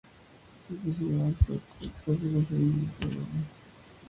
Su especialidad fue el scull peso ligero, individual o doble.